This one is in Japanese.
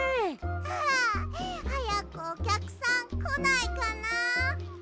ああはやくおきゃくさんこないかな？